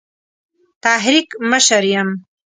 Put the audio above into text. تحریک مشر یم.